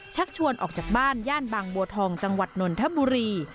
ชักชวนออกจากบ้านย่านบางบัวทองจังหวัดนนทบุรี